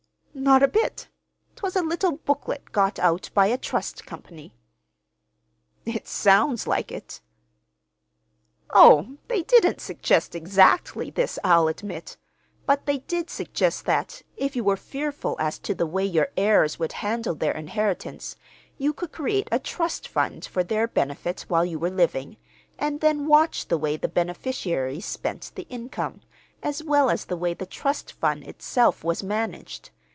"Not a bit. 'Twas a little booklet got out by a Trust Company." "It sounds like it!" "Oh, they didn't suggest exactly this, I'll admit; but they did suggest that, if you were fearful as to the way your heirs would handle their inheritance, you could create a trust fund for their benefit while you were living, and then watch the way the beneficiaries spent the income, as well as the way the trust fund itself was managed.